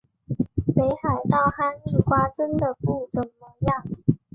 北海道哈密瓜真的不怎么样